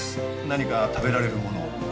何か食べられるものを。